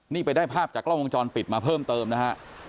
นี่ไปได้ภาพจากกล้องวงจรปิดมาเพิ่มเติมนะฮะ